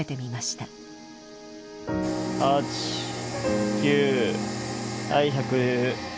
８９はい１００。